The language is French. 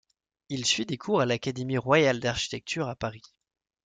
Il suit des cours à l'Académie royale d'architecture à Paris.